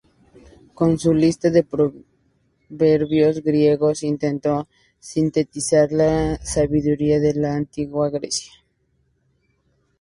Con su "Lista de proverbios griegos" intentó sintetizar la sabiduría de la antigua Grecia.